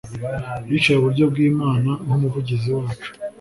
Yicaye iburyo bw'Imana nk'umuvugizi wacu